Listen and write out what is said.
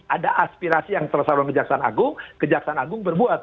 ada aspirasi yang selesai dengan kejaksaan agung kejaksaan agung berbuat